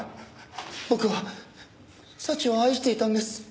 僕は早智を愛していたんです。